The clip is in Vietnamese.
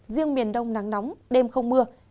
riêng miền đông nắng nóng đêm không mưa